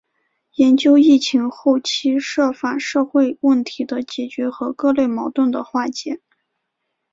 研究疫情后期涉法社会问题的解决和各类矛盾的化解